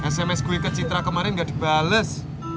sms gue ke citra kemarin gak dibales